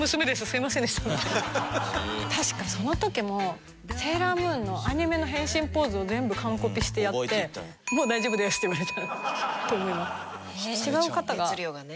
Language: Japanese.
確かその時も『セーラームーン』のアニメの変身ポーズを全部完コピしてやって「もう大丈夫です」って言われたと思います。